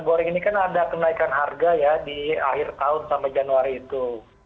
goreng ini kan ada kenaikan harga ya di akhir tahun sampai januari itu